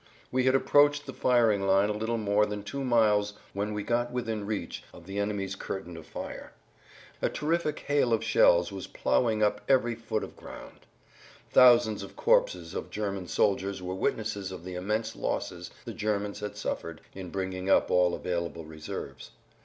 We had approached the firing line a little more than two miles when we got within reach of the enemy's curtain of fire. A terrific hail of shells was ploughing up every foot of ground. Thousands of corpses of German soldiers were witnesses of the immense losses the Germans had suffered in bringing up all available reserves.